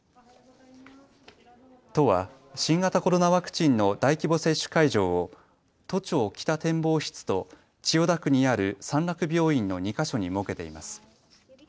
都は新型コロナワクチンの大規模接種会場を都庁北展望室と千代田区にある三楽病院の２か所に設けています。